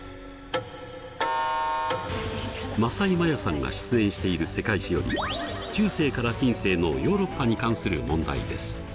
政井マヤさんが出演している「世界史」より中世から近世のヨーロッパに関する問題です。